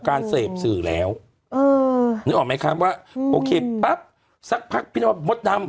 การเสพสื่อแล้วเออนึกออกไหมครับว่าโอเคปั๊บสักพักพี่น้องมดดำ